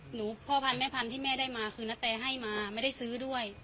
พ่อพันธแม่พันธุ์ที่แม่ได้มาคือนาแตให้มาไม่ได้ซื้อด้วย